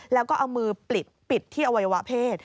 แล้วก็เอามือปิดที่อวัยวะเพศ